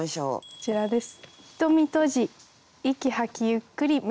こちらです。